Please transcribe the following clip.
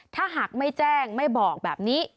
ถ้าหากไม่แจ้งไม่บอกแบบนี้